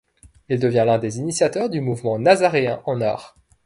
Il devient l'un des initiateurs du mouvement nazaréen en art.